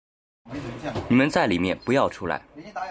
你们在里面不要出来